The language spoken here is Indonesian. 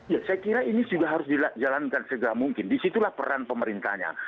ya saya kira ini juga harus dijalankan segera mungkin disitulah peran pemerintahnya